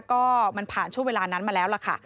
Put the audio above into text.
ก็มันผ่านช่วงเวลานั้นมาแล้วล่ะค่ะ